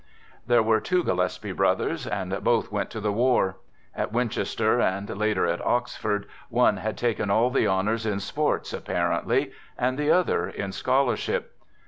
Thete were two Gillespie brothers, and both went to the war. At Winchester and later at Oxford, one had taken all the honors in sports, apparently, and the other in scholarship.